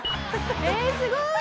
ええすごい！